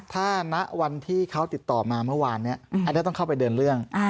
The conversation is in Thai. ถ้าณวันที่เขาติดต่อมาเมื่อวานนี้อันนี้ต้องเข้าไปเดินเรื่อง